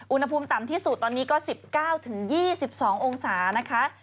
อุณหภูมิต่ำที่สุดตอนนี้ก็๑๙๒๒องศานะคะ